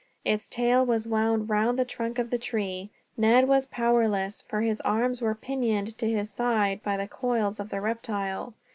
Its tail was wound round the trunk of the tree. Ned was powerless, for his arms were pinioned to his side by the coils of the reptile.